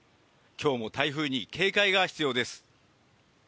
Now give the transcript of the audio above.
今日も台風に警戒が必要です。